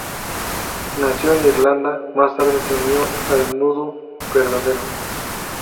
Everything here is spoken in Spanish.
Nació en Irlanda, más tarde, se unió al Nudo Verdadero.